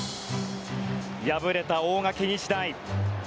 敗れた大垣日大。